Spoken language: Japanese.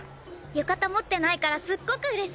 浴衣持ってないからすっごく嬉しい！